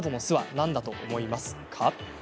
何だと思いますか？